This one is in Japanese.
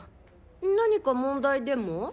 なにか問題でも？